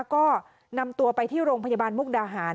ก็นำตัวไปที่โรงพยาบาลมุกดาหาร